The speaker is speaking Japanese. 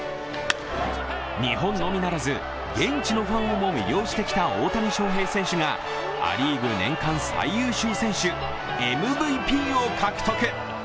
日本のみならず、現地のファンをも魅了してきた大谷翔平選手がア・リーグ年間最優秀選手、ＭＶＰを獲得。